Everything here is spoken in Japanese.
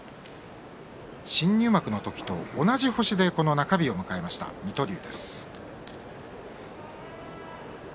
新入幕の時と同じ星で中日を迎えました水戸龍です。